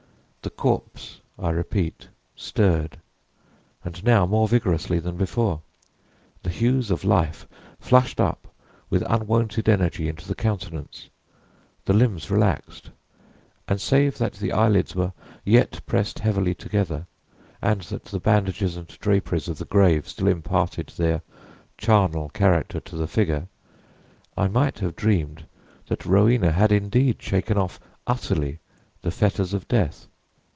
The corpse, I repeat, stirred, and now more vigorously than before. The hues of life flushed up with unwonted energy into the countenance the limbs relaxed and, save that the eyelids were yet pressed heavily together, and that the bandages and draperies of the grave still imparted their charnel character to the figure, I might have dreamed that Rowena had indeed shaken off, utterly, the fetters of Death.